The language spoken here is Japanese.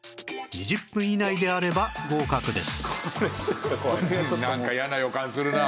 ６０分以内であれば合格です